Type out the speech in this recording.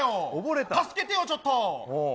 助けてよちょっと。